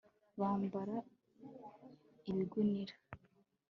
bambara ibigunira